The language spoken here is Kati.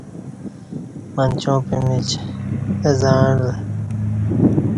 منچاں پمیچ اہ زعݩلہ